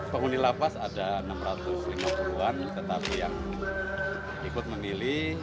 penghuni lapas ada enam ratus lima puluh an tetapi yang ikut memilih